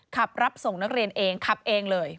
ขับรับส่งนักเรียนเองขับเองเลย